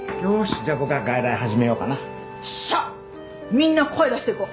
みんな声出していこう。